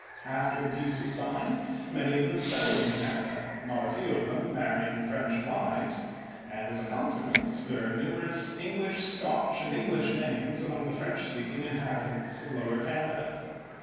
After the Peace was signed many of them settled in Canada, not a few of them marrying French wives, and as a consequence there are numerous Irish, Scotch, and English names among the French speaking inhabitants of Lower Canada.